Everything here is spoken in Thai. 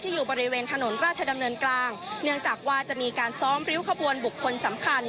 อยู่บริเวณถนนราชดำเนินกลางเนื่องจากว่าจะมีการซ้อมริ้วขบวนบุคคลสำคัญ